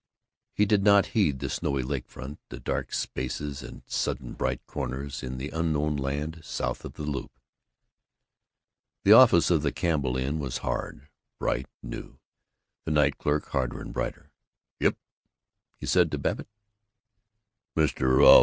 He did not heed the snowy lake front, the dark spaces and sudden bright corners in the unknown land south of the Loop. The office of the Campbell Inn was hard, bright, new; the night clerk harder and brighter. "Yep?" he said to Babbitt. "Mr.